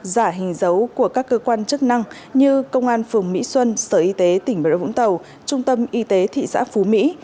giả hình dấu của các cơ quan chức năng như công an phường mỹ xuân sở y tế tỉnh bà rối vũng tàu trung tâm y tế thị xã phú mỹ